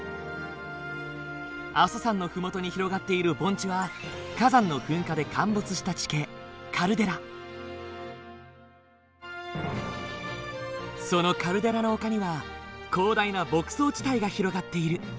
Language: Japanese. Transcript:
阿蘇山の麓に広がっている盆地は火山の噴火で陥没した地形そのカルデラの丘には広大な牧草地帯が広がっている。